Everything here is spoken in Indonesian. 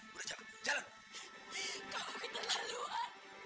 tinggal sekali kau mencimalah anakku sendiri dan anakmu sendiri